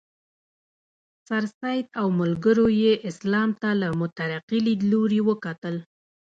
سرسید او ملګرو یې اسلام ته له مترقي لیدلوري وکتل.